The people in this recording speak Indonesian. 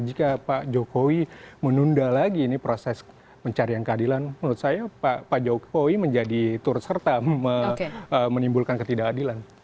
jika pak jokowi menunda lagi ini proses pencarian keadilan menurut saya pak jokowi menjadi turut serta menimbulkan ketidakadilan